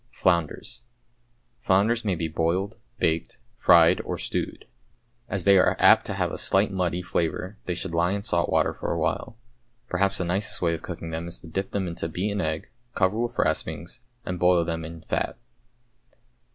=Flounders.= Flounders may be boiled, baked, fried, or stewed. As they are apt to have a slight muddy flavour, they should lie in salt water for a while. Perhaps the nicest way of cooking them is to dip them into beaten egg, cover with raspings, and boil them in fat.